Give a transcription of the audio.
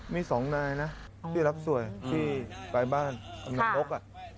มีสองนายนะที่รับสวยที่ปลายบ้านกำหนักนก